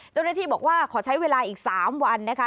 เจ้าหน้าที่บอกว่าขอใช้เวลาอีก๓วันนะคะ